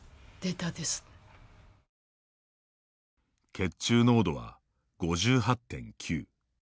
血中濃度は、５８．９。